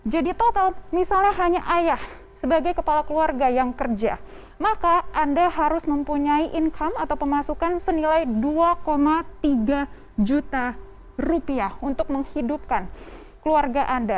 jadi total misalnya hanya ayah sebagai kepala keluarga yang kerja maka anda harus mempunyai income atau pemasukan senilai dua tiga juta rupiah untuk menghidupkan keluarga anda